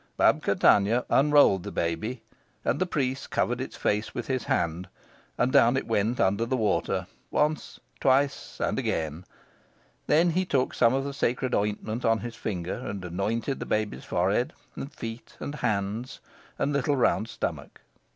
Babka Tanya unrolled the baby, and the priest covered its face with his hand, and down it went under the water, once, twice, and again. Then he took some of the sacred ointment on his finger and anointed the baby's forehead, and feet, and hands, and little round stomach.